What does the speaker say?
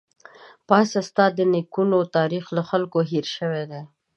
پاڅه ! ستا د نيکونو تاريخ له خلکو هېر شوی دی